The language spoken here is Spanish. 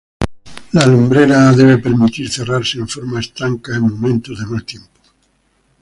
La lumbrera debe permitir cerrarse en forma estanca en momentos de mal tiempo.